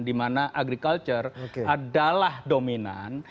dimana agriculture adalah dominan